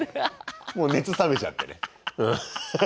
もう熱冷めちゃってね。